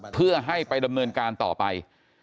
เพื่อให้ไปดำเนินการต่อไป